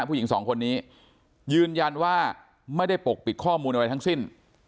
ผู้หญิงสองคนนี้ยืนยันว่าไม่ได้ปกปิดข้อมูลอะไรทั้งสิ้น